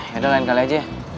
yaudah lain kali aja